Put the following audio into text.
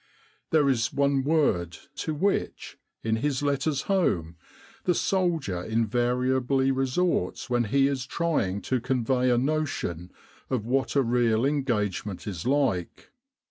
"There is one word to which, in his letters home, the soldier invariably resorts when he is trying to convey a notion of what a real engagement is like.